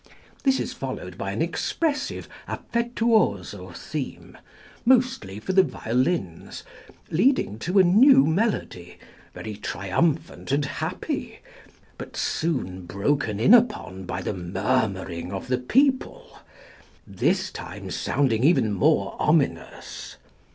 This is followed by an expressive affettuoso theme, mostly for the violins, leading to a new melody, very triumphant and happy, but soon broken in upon by the murmuring of the people, this time sounding even more ominous.